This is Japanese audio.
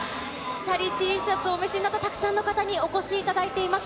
チャリＴシャツをお召しの方、たくさんの方にお越しいただいています。